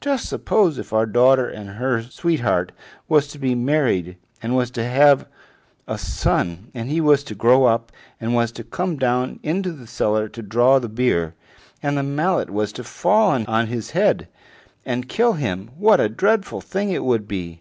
Just suppose, if our daughter and her sweetheart was to be married, and was to have a son, and he was to grow up, and was to come down into the cellar to draw the beer, and the mallet was to fall on his head and kill him, what a dreadful thing it would be!"